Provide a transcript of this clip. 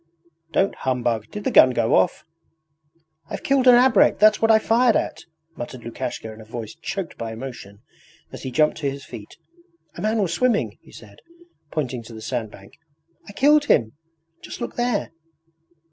'Don't humbug! Did the gun go off? ...' 'I've killed an abrek, that's what I fired at,' muttered Lukashka in a voice choked by emotion, as he jumped to his feet. 'A man was swimming...' he said, pointing to the sandbank. 'I killed him. Just look there.'